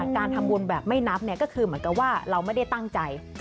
การทำบุญแบบไม่นับก็คือเหมือนกับว่าเราไม่ได้ตั้งใจ